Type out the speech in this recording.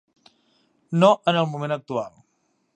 No en el moment actual.